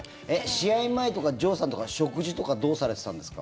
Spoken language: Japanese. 試合前とか城さんとか食事とかどうされてたんですか？